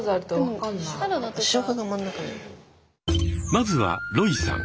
まずはロイさん。